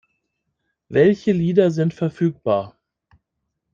Welche Lieder sind verfügbar?